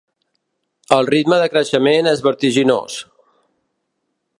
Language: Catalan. El ritme de creixement és vertiginós.